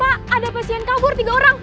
pak ada pasien kabur tiga orang